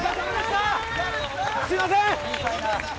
すいません。